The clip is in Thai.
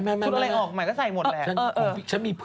ทำอะไรออกใหม่ก็ใส่หมดแหละ